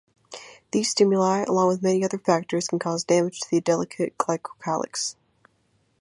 These stimuli, along with many other factors, can cause damage to the delicate glycocalyx.